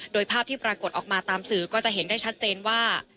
โดยภาพที่ปรากฏออกมาตามสื่อก็จะเห็นได้ชัดเจนว่า